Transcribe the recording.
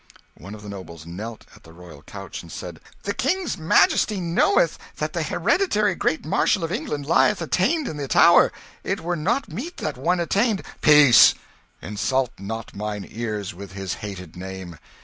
One of the nobles knelt at the royal couch, and said "The King's majesty knoweth that the Hereditary Great Marshal of England lieth attainted in the Tower. It were not meet that one attainted " "Peace! Insult not mine ears with his hated name.